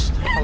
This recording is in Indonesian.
siap dia ya